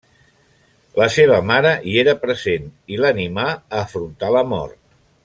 La seva mare hi era present i l'animà a afrontar la mort.